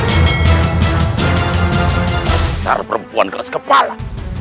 dasar perempuan kelas kepala